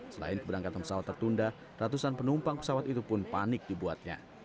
selain keberangkatan pesawat tertunda ratusan penumpang pesawat itu pun panik dibuatnya